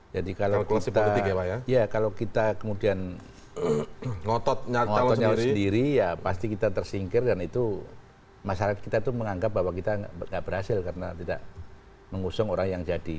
jadi kalau kita kemudian ngotot nyatau sendiri ya pasti kita tersingkir dan itu masyarakat kita itu menganggap bahwa kita tidak berhasil karena tidak mengusung orang yang jadi